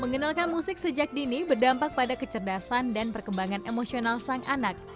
mengenalkan musik sejak dini berdampak pada kecerdasan dan perkembangan emosional sang anak